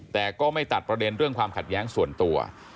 แต่ก็ไม่ตัดประเด็นเรื่องความขัดแย้งส่วนตัว